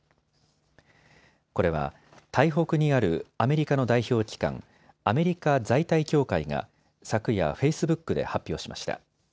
これは台北にあるアメリカの代表機関、アメリカ在台協会が昨夜、フェイスブックで発表しました。